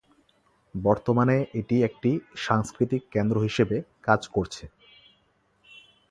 বর্তমানে এটি একটি সাংস্কৃতিক কেন্দ্র হিসেবে কাজ করছে।